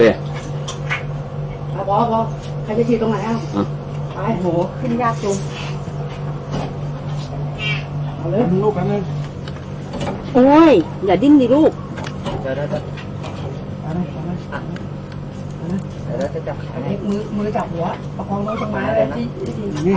เอาฝานฝานออกดิเอาพอพอใครจะทีลตรงไหนเอาอ่ะไปหัว